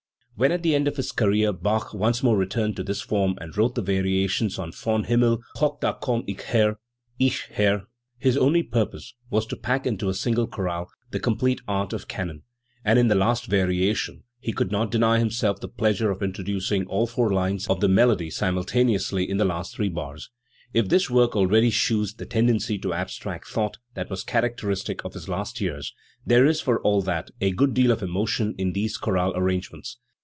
When, at the end of his career, Bach once more returned to this form and wrote the variations on "Vom Himmel hoch da komm ich her", his only purpose was to pack into a single chorale the complete art of canon; and in the last variation he could not deny himself the pleasure of intro ducing all four lines of the melody simultaneously in the last three bars. If this work already she yvs the tendency to abstract thought that was characteristic of his last years, there is, for all that, a good deal of emotion in these chorale arrangements.